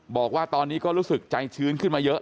บอกว่าตอนนี้ก็รู้สึกใจชื้นขึ้นมาเยอะ